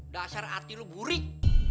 dasar hati lo burik